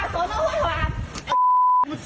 จ๊บ